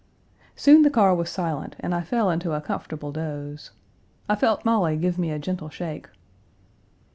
Soon the car was silent and I fell into a comfortable doze. I felt Molly give me a gentle shake.